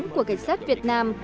của cảnh sát việt nam